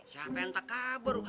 siapa yang takabur